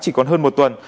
chỉ còn hơn một tuần